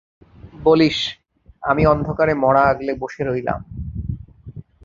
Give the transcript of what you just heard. বলিস, আমি অন্ধকারে মড়া আগলে বসে রইলাম।